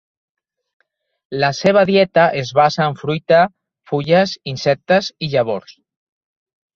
La seva dieta es basa en fruita, fulles, insectes i llavors.